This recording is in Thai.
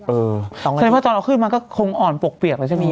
เออเพราะฉะนั้นตอนเราขึ้นมาก็คงอ่อนปกเปียกเลยใช่ไหม